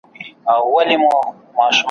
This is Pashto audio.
دوه او درې ځایه یې تور وو غوړولی ,